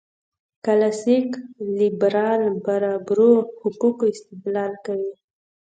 کلاسیک لېبرال برابرو حقوقو استدلال کوي.